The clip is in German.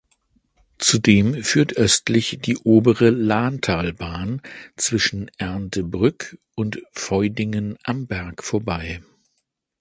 Zudem führt östlich die Obere Lahntalbahn zwischen Erndtebrück und Feudingen am Berg vorbei.